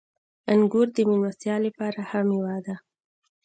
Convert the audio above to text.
• انګور د میلمستیا لپاره ښه مېوه ده.